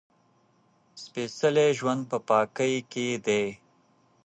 سپېڅلی ژوند په پاکۍ کې دی.